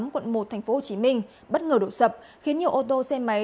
quận một tp hcm bất ngờ đổ sập khiến nhiều ô tô xe máy